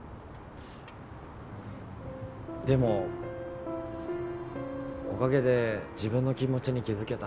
でもおかげで自分の気持ちに気づけた。